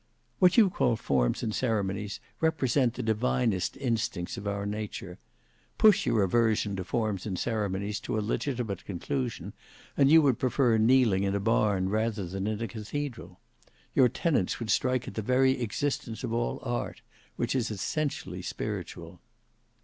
"What you call forms and ceremonies represent the divinest instincts of our nature. Push your aversion to forms and ceremonies to a legitimate conclusion, and you would prefer kneeling in a barn rather than in a cathedral. Your tenets would strike at the very existence of all art, which is essentially spiritual."